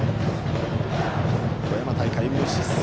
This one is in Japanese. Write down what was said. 富山大会無失策。